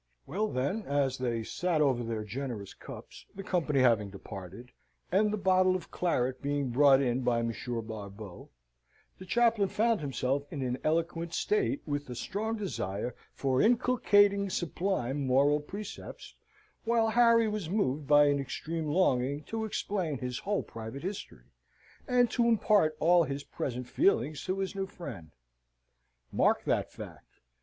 Well, then, as they sate over their generous cups, the company having departed, and the bottle of claret being brought in by Monsieur Barbeau, the chaplain found himself in an eloquent state, with a strong desire for inculcating sublime moral precepts whilst Harry was moved by an extreme longing to explain his whole private history, and to impart all his present feelings to his new friend. Mark that fact.